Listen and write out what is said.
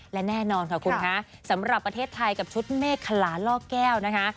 และแน่นอนค่ะคุณคะสำหรับประเทศไทยกับชุดเมฆขลาล่อแก้วนะคะ